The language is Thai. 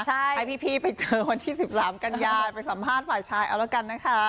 ให้พี่ไปเจอวันที่๑๓กันยาไปสัมภาษณ์ฝ่ายชายเอาแล้วกันนะคะ